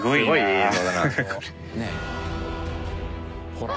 ほら。